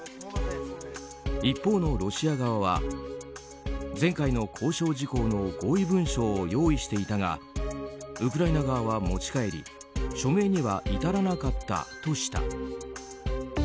一方のロシア側は前回の交渉事項の合意文書を用意していたがウクライナ側は持ち帰り署名には至らなかったとした。